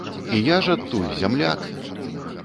І я ж адтуль, зямляк!